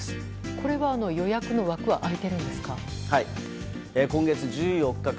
これは、予約の枠は空いているんですか？